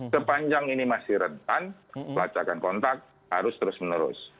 sepanjang ini masih rentan pelacakan kontak harus terus menerus